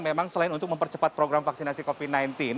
memang selain untuk mempercepat program vaksinasi covid sembilan belas